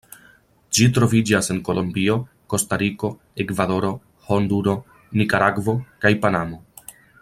Ĝi troviĝas en Kolombio, Kostariko, Ekvadoro, Honduro, Nikaragvo kaj Panamo.